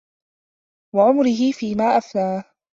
وَعُمُرِهِ فِيمَا أَفْنَاهُ